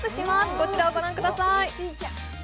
こちらをご覧ください。